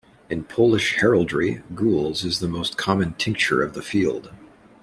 In Polish heraldry, gules is the most common tincture of the field.